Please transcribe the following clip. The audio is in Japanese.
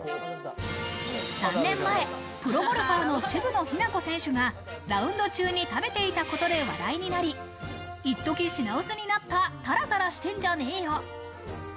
３年前、プロゴルファーの渋野日向子選手がラウンド中に食べていたことで話題になり、いっとき品薄になった、タラタラしてんじゃねよ。